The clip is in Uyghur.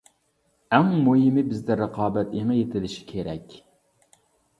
ئەڭ مۇھىمى بىزدە رىقابەت ئېڭى يېتىلىشى كېرەك.